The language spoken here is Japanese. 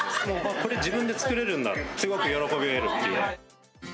これ、自分で作れるんだって、すごく喜びを得るっていう。